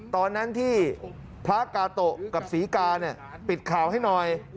ตอนนั้นที่พระกาโตะกับศรีกาเนี่ยปิดข่าวให้หน่อย